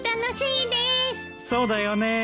そうだよね。